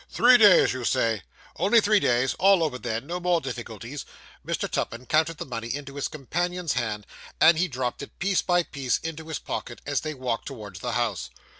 'Three days, you say?' 'Only three days all over then no more difficulties.' Mr. Tupman counted the money into his companion's hand, and he dropped it piece by piece into his pocket, as they walked towards the house.